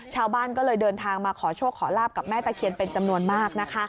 ชาวบ้านก็เลยเดินทางมาขอโชคขอลาบกับแม่ตะเคียนเป็นจำนวนมากนะคะ